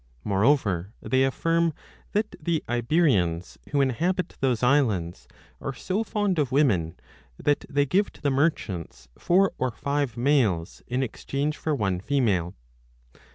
Moreover they affirm that the Iberians, who inhabit those islands, are so 35 fond of women that they give to the merchants four or five males in exchange for one female.